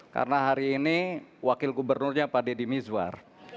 karena hari ini wakil gubernurnya pak deddy mizwar